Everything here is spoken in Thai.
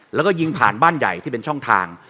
แล้วก็ยิงผ่านบ้านใหญ่ที่เป็นช่องทาง